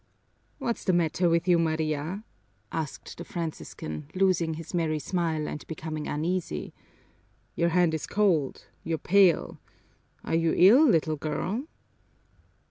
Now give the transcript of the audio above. "What's the matter with you, Maria?" asked the Franciscan, losing his merry smile and becoming uneasy. "Your hand is cold, you're pale. Are you ill, little girl?"